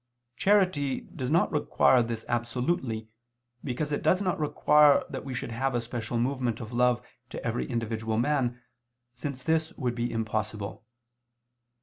Charity does not require this absolutely, because it does not require that we should have a special movement of love to every individual man, since this would be impossible.